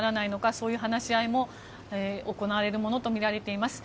そういう話し合いも行われるものとみられています。